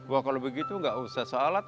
wah kalau begitu nggak usah sholat